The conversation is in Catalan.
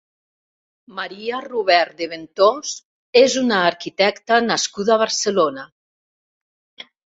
Maria Rubert De Ventós és una arquitecta nascuda a Barcelona.